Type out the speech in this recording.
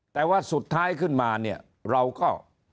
แต่ว่าสุดท้ายขึ้นมาเนี่ยเราก็